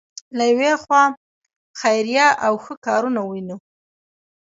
له یوې خوا خیریه او ښه کارونه وینو.